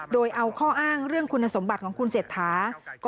โดยเอาข้ออ้างเรื่องคุณสมบัติของคุณเศรษฐา